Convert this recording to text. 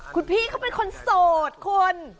คุณพี่เขาเป็นคนโสดคุณ